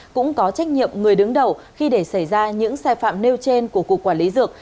cũng có trách nhiệm người đứng đầu khi để xảy ra những sai phạm nêu trên của cục quản lý dược